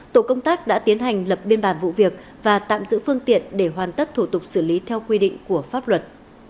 tổ công tác đã tiến hành lập biên bản vụ việc và tạm giữ phương tiện để hoàn tất thủ tục xử lý theo quy định của pháp luật